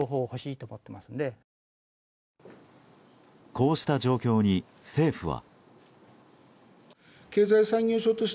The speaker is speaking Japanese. こうした状況に政府は。